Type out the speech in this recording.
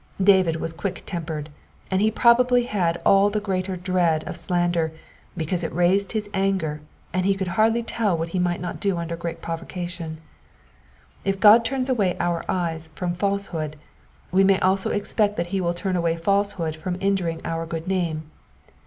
David was quick tempered, and he probably had all the greater dread of slander because it raised his anger, and he could hardly tell what he might not do under great provocation. If God turns away our eyes from false hood, we may also expect that he will turn away falsehood from injuring our good name.